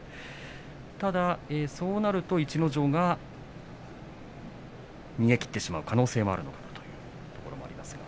ただそうなると逸ノ城が逃げ切ってしまう可能性もあるというところがありますが。